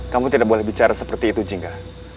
kamu tidak boleh bicara seperti itu jingga